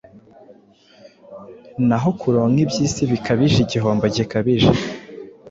naho kuronka iby’isi bikaba igihombo gikabije